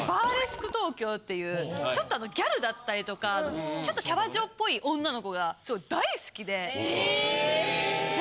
っていうちょっとギャルだったりとかちょっとキャバ嬢っぽい女の子が大好きで。